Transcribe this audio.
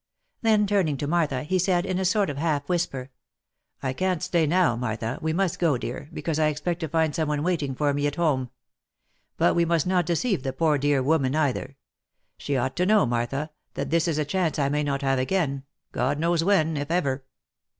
Then turning to Martha, he said, in a sort of half whisper. " I can't stay now, Martha, we must go, dear, because I ex pect to find some one waiting for me at home. But we must not de ceive the poor dear woman either. She ought to know, Martha that this is a chance I may not have again, God knows when, if ever.